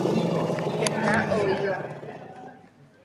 Tenda oĩva.